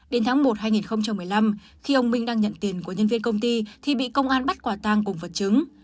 đến tháng một hai nghìn một mươi năm khi ông minh đang nhận tiền của nhân viên công ty thì bị công an bắt quả tang cùng vật chứng